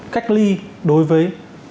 cách ly đối với